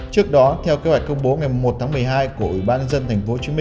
trước đó theo kế hoạch công bố ngày một mươi một tháng một mươi hai của ubnd tp hcm